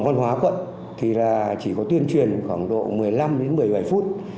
văn hóa quận thì là chỉ có tuyên truyền khoảng độ một mươi năm đến một mươi bảy phút